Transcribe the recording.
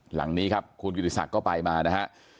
หลังนี้ครับคุณกิติศักดิ์ก็ไปมานะฮะ